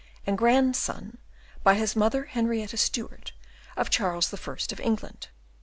and grandson, by his mother Henrietta Stuart, of Charles I. of England.